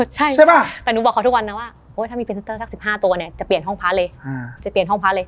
ใช่แต่หนูบอกเขาทุกวันนะว่าถ้ามีพรีเซ็นเตอร์สัก๑๕ตัวจะเปลี่ยนห้องพระเลย